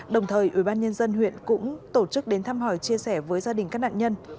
đồng thời ubnd huyện cũng tổ chức đến thăm hỏi chia sẻ với gia đình các nạn nhân